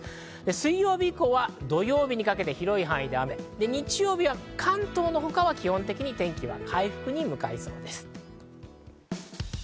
水曜日以降、土曜日にかけて広い範囲で雨、日曜日は関東の他は基本的に天気は回復に向かいそうです。